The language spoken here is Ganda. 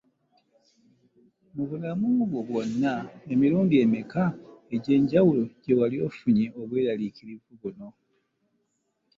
Mu bulamu bwo bwonna, emirundi emeka egy’enjawulo gye wali ofunye obweraliikirivu buno?